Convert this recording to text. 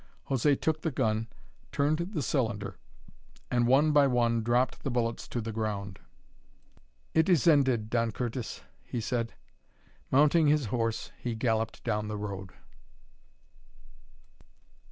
José took the gun, turned the cylinder, and one by one dropped the bullets to the ground. "It is ended, Don Curtis," he said. Mounting his horse, he galloped down the road.